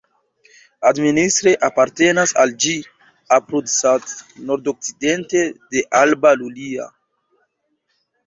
Administre apartenas al ĝi Abrud-Sat nordokcidente de Alba Iulia.